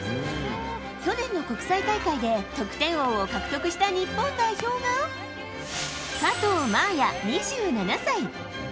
去年の国際大会で得点王を獲得した日本代表が加藤真彩、２７歳。